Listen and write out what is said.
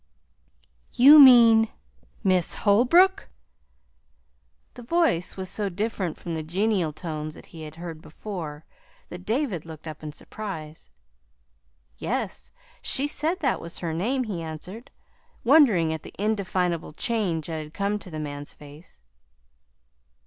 "You mean Miss Holbrook?" The voice was so different from the genial tones that he had heard before that David looked up in surprise. "Yes; she said that was her name," he answered, wondering at the indefinable change that had come to the man's face.